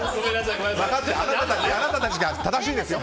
あなたたちが正しいんですよ